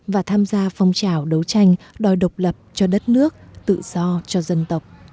và tham gia phong trào đấu tranh đòi độc lập cho đất nước tự do cho dân tộc